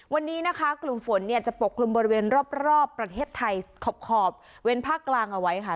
วันนี้นะคะกลุ่มฝนเนี่ยจะปกกลุ่มบริเวณรอบประเทศไทยขอบเว้นภาคกลางเอาไว้ค่ะ